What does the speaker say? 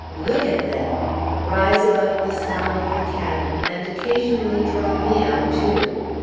"Look at them!" rise above the sound of the cannon, and occasionally draw me out, too.